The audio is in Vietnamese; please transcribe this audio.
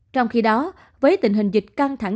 trong khi đó với tình hình dịch căng thẳng